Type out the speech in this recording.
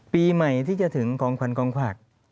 ปีใหม่ที่จะถึงกองขวัญกองขวาก